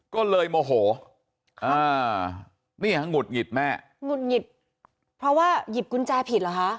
ก็เลยโมโหอ่านี่ฮะหงุดหงิดแม่หงุดหงิดเพราะว่าหยิบกุญแจผิดเหรอคะ